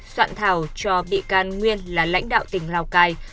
soạn thảo cho bị can nguyên là lãnh đạo tỉnh lào cai